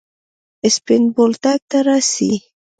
سپين بولدک ته راسئ!